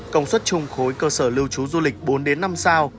công suất chung khối cơ sở lưu trú du lịch bốn năm sao